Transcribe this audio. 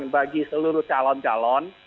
bagi seluruh calon calon